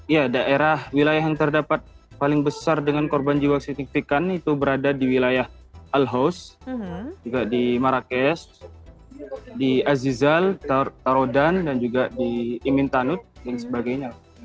ya daerah wilayah yang terdapat paling besar dengan korban jiwa signifikan itu berada di wilayah al host juga di marrakesh di azizal tarodan dan juga di imintanud dan sebagainya